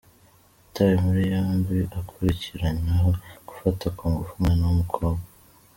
Yatawe muri yombi akurikiranyweho gufata ku ngufu umwana w’umukobwa